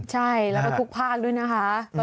ใช่แล้วก็ทุกภาคด้วยนะคะ